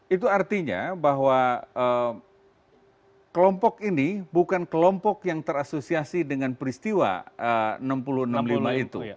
itu artinya bahwa kelompok ini bukan kelompok yang terasosiasi dengan peristiwa enam puluh enam puluh lima itu